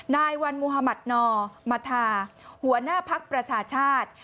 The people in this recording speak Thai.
นายวันมุธมัธนอมธาหัวหน้าภักดิ์ประชาชาติ